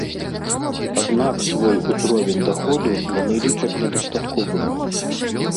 Аднак свой узровень даходу яны лічаць недастатковым.